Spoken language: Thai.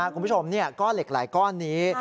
คุณผู้ชมก้อนเหล็กไหลก้อนนี้